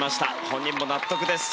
本人も納得です。